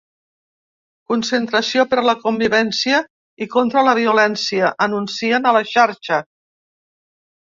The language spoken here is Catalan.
Concentració per la convivència i contra la violència, anuncien a la xarxa.